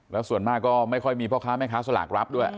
แล้วส่วนมากก็ไม่ค่อยมีพ่อค้าแม่ค้าสลากรับด้วย